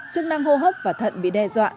chức năng hô hấp và thận bị đe dọa